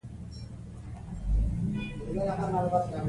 خلک خپل حق غواړي.